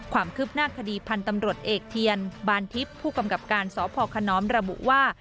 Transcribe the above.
ความคืบหน้าคดีพันธ์ตำรวจเอกเทียนบานทิพย์ผู้กำกับการสพขนอมระบุว่า